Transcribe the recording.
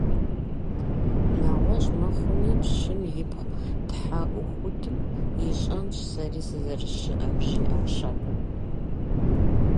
- НэгъуэщӀ мыхъуми, пщым ипхъу тхьэӀухудым ищӀэнщ сэри сызэрыщыӀэр, - жиӀащ абы.